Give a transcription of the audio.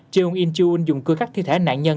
jong in chiu un dùng cưa cắt thi thể nạn nhân